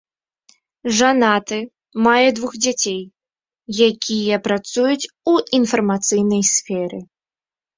Жанаты, мае двух дзяцей, якія працуюць у інфармацыйнай сферы.